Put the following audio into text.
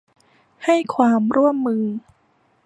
ให้ความร่วมมือ